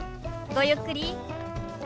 ごゆっくり。